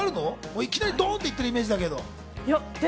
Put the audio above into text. いきなりドンっていってるイメージだけど。